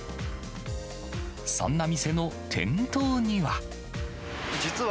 そんな店の店頭には。